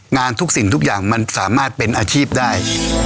งานทุกสิ่งทุกอย่างมันสามารถเป็นอาชีพได้